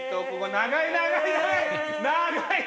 長い長い！